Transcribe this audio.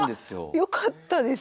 よかったです。